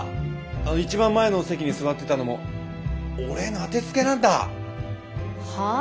一番前の席に座ってたのも俺への当てつけなんだ。はあ？